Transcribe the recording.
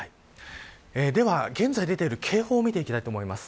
では現在、出ている警報を見ていきたいと思います。